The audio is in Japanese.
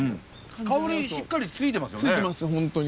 香りしっかりついてますよね。